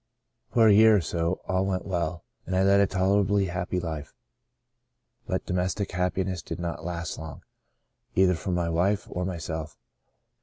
For a year or so, all went well, and I led a tolerably happy life. But domestic happiness did not last long, either for my wife or myself.